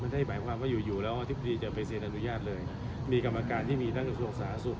มันได้แบบว่าอยู่แล้วที่ปฏิเสธอนุญาตเลยมีกรรมการที่มีด้านกระทรวงสาธารณสุข